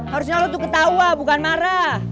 harusnya lulut tuh ketawa bukan marah